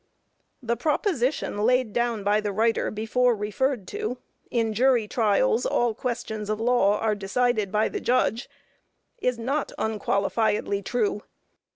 The proposition laid down by the writer before referred to, that "in jury trials all questions of law are decided by the judge," is not unqualifiedly true.